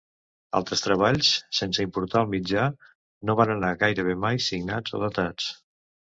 Altres treballs, sense importar el mitjà, no van anar gairebé mai signats o datats.